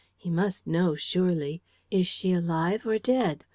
He must know, surely. Is she alive or dead?